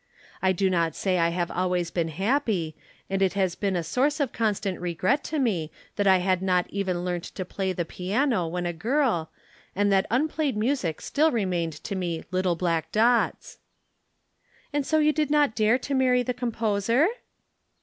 I do not say I have always been happy, and it has been a source of constant regret to me that I had not even learnt to play the piano when a girl and that unplayed music still remained to me little black dots." "And so you did not dare marry the composer?"